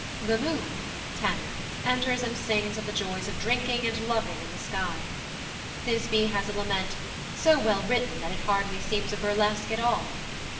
The Moon (tenor) enters and sings of the joys of drinking and loving in the sky. Thisbe has a lament, so well written that it hardly seems a burlesque at all.